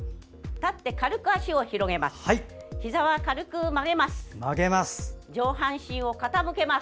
立って、軽く脚を広げます。